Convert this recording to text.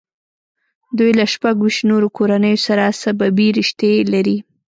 دوی له شپږ ویشت نورو کورنیو سره سببي رشتې لري.